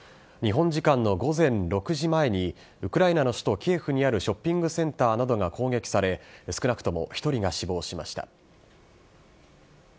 日本時間の午前６時前に、ウクライナの首都キエフにあるショッピングセンターなどが攻撃され、少なくとも１人が死亡しました。